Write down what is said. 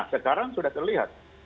sekarang sudah terlihat